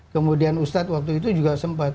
kemudian ustadz waktu itu juga sempat